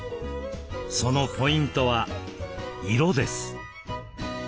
そのポイントは「色」です。